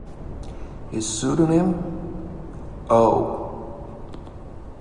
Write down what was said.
His pseudonym Oh!